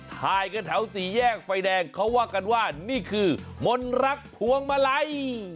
ถ่ายกันแถวสี่แยกไฟแดงเขาว่ากันว่านี่คือมนต์รักพวงมาลัย